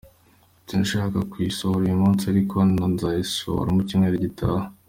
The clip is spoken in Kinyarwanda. Ati “ Nashakaga kuyisohora uyu munsi ariko nzayisohora mu cyumweru gitaha.